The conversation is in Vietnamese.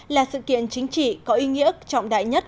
là sự kiện chính trị có ý nghĩa trọng đại nhất